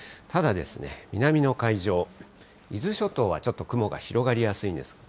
ただ、南の海上、伊豆諸島はちょっと雲が広がりやすいんです。